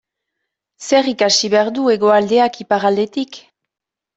Zer ikasi behar du Hegoaldeak Iparraldetik?